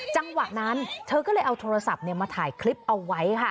จังหวะนั้นเธอก็เลยเอาโทรศัพท์มาถ่ายคลิปเอาไว้ค่ะ